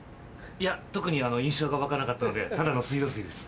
いや特に印象が湧かなかったのでただの水道水です。